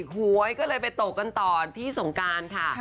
หวยก็เลยไปตกกันต่อที่สงการค่ะ